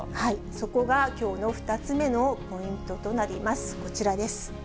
そこがきょうの２つ目のポイントとなります、こちらです。